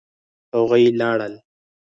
هغوی لاړل.